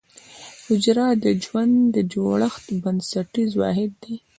حجره د ژوند د جوړښت بنسټیز واحد دی